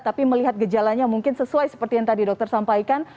tapi melihat gejalanya mungkin sesuai seperti yang tadi dokter sampaikan